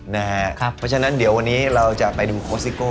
เพราะฉะนั้นเดี๋ยววันนี้เราจะไปดูโค้ชซิโก้